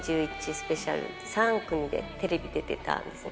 スペシャル、３組でテレビ出てたんですね。